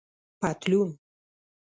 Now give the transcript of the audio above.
👖پطلون